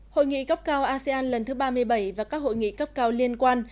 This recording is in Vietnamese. hội nghị cấp cao asean lần thứ ba mươi bảy và các hội nghị cấp cao liên quan